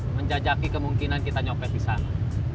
menjajaki kemungkinan kita nyopet di sana